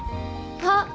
あっ！